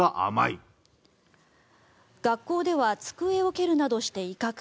学校では机を蹴るなどして威嚇。